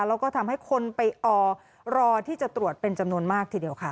แล้วก็ทำให้คนไปออรอที่จะตรวจเป็นจำนวนมากทีเดียวค่ะ